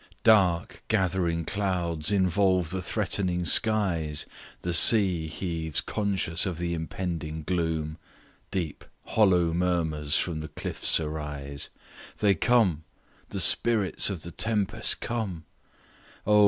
"DARK gathering clouds involve the threatening skies, The sea heaves conscious of the impending gloom, Deep, hollow murmurs from the cliffs arise; They come the Spirits of the Tempest come! Page 32 "Oh!